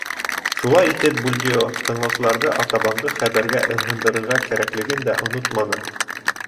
Шулай итеп, Бульдео тыңлаусыларҙы артабанғы хәбәргә ымһындырырға кәрәклеген дә онотманы.